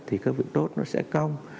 thì cái bị đốt nó sẽ cong